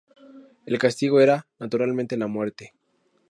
El castigo era, naturalmente, la muerte.